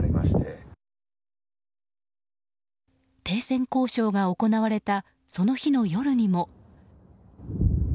停戦交渉が行われたその日の夜にも。